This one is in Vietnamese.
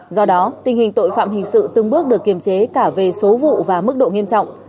do đó tình hình tội phạm hình sự từng bước được kiềm chế cả về số vụ và mức độ nghiêm trọng